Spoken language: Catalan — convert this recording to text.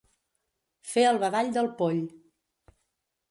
Fer el badall del poll.